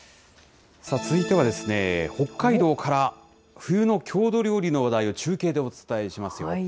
続いては、北海道から、冬の郷土料理の話題を中継でお伝えしますよ。